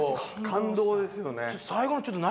感動ですよね。